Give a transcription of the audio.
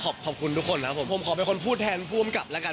ขอบคุณทุกคนครับผมผมขอเป็นคนพูดแทนผู้อำกับแล้วกัน